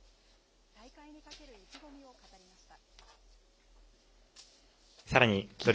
大会にかける意気込みを語りました。